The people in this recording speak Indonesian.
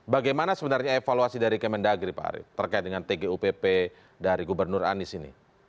bagaimana sebenarnya evaluasi dari kemendagri pak arief terkait dengan tgupp dari gubernur anies ini